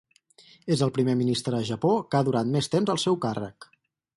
És el primer ministre de Japó que ha durat més temps al seu càrrec.